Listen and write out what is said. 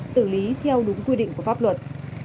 xử lý theo đúng quy định của pháp luật